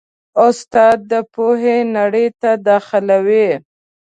استاد د پوهې نړۍ ته داخلوي.